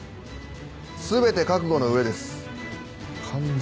全て覚悟の上です。